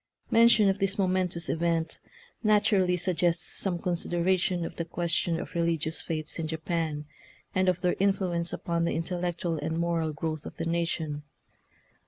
Mention of this momentous event natu rally suggests some consideration of the question of religious faiths in Japan, and of their influence upon the intellectual and moral growth of the nation.